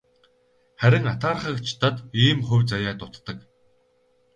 Харин атаархагчдад ийм хувь заяа дутдаг.